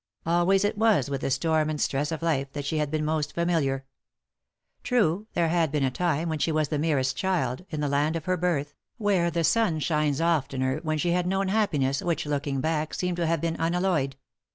Always it was with the storm and stress of life that she had been most familiar. True, there had been a time, when she was the merest child, in the land of her birth, where the sun shines oftener, when she had known happiness, which, looking back, seemed to have been unalloyed.